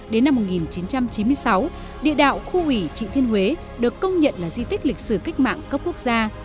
đến năm một nghìn chín trăm chín mươi sáu địa đạo khu ủy trị thiên huế được công nhận là di tích lịch sử cách mạng cấp quốc gia